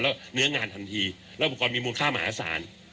แล้วเนื้องานทันทีแล้วอุปกรณ์มีมูลค่ามหาศาล